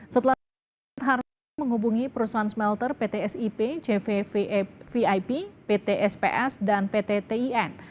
setelah itu harvey menghubungi perusahaan smelter pt sip cvvip pt sps dan pt tin